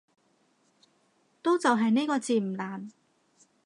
都就係呢個字唔難